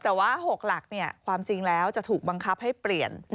แต่ว่า๖หลักความจริงแล้วจะถูกบังคับให้เปลี่ยน